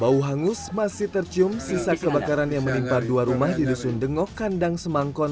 bau hangus masih tercium sisa kebakaran yang menimpa dua rumah di dusun dengok kandang semangkon